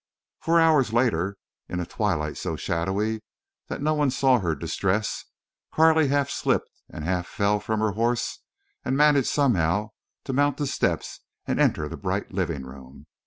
Four hours later, in a twilight so shadowy that no one saw her distress, Carley half slipped and half fell from her horse and managed somehow to mount the steps and enter the bright living room.